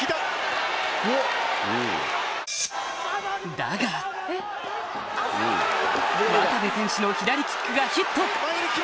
だが渡部選手の左キックがヒット！